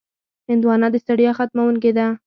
هندوانه د ستړیا ختموونکې ده.